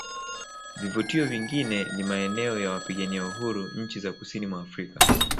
Vivutio vingine ni maeneo ya wapigania uhuru nchi za kusini mwa Afrika